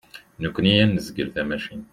Nekni ad nezgel tamacint.